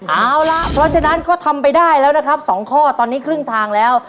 เอาล่ะเพราะฉะนั้นก็ทำไปได้แล้วนะครับ๒ข้อตอนนี้ครึ่งทางแล้ว